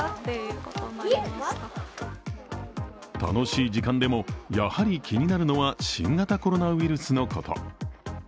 楽しい時間でもやはり気になるのは新型コロナウイルスのこと。